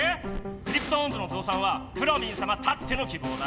クリプトオンズのぞうさんはくろミンさまたってのきぼうだ。